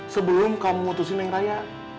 sebelum kamu memutuskan yang raya